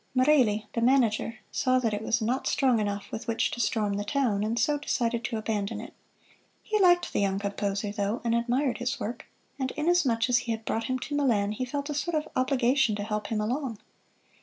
Merelli, the manager, saw that it was not strong enough with which to storm the town, and so decided to abandon it. He liked the young composer, though, and admired his work; and inasmuch as he had brought him to Milan, he felt a sort of obligation to help him along.